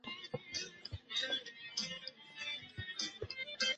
其妻亦由晋国夫人进封秦国夫人。